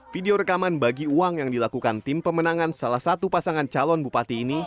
video rekaman bagi uang yang dilakukan tim pemenangan salah satu pasangan calon bupati ini